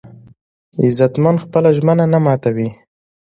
غیرتمند خپله ژمنه نه ماتوي